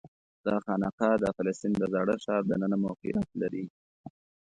دا خانقاه د فلسطین د زاړه ښار دننه موقعیت لري.